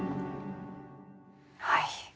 はい。